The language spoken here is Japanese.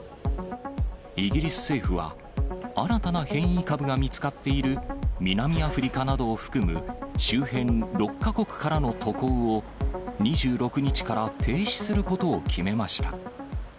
イギリス政府は、新たな変異株が見つかっている南アフリカなどを含む周辺６か国からの渡航を、２６日から停止することを決めました。